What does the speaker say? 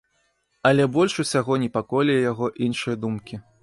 Але больш усяго непакоілі яго іншыя думкі.